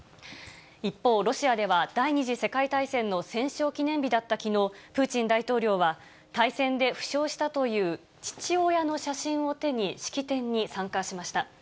一方、ロシアでは、第２次世界大戦の戦勝記念日だったきのう、プーチン大統領は、大戦で負傷したという父親の写真を手に、式典に参加しました。